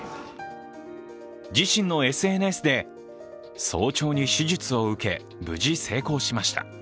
自身のＳＮＳで、早朝に手術を受け無事成功しました。